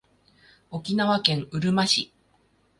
沖縄県うるま市